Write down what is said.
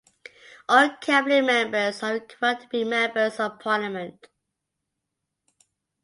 All cabinet members are required to be members of parliament.